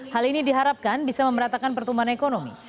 hal ini diharapkan bisa memeratakan pertumbuhan ekonomi